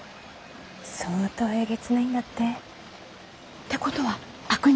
相当えげつないんだって。ってことは悪人なの？